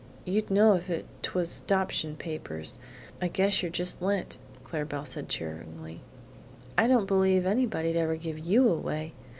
"You'd know it if twas adoption papers; I guess you're just lent," Clara Belle said cheeringly. "I don't believe anybody'd ever give YOU away!